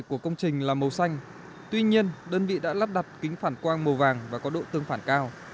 của công trình là màu xanh tuy nhiên đơn vị đã lắp đặt kính phản quang màu vàng và có độ tương phản cao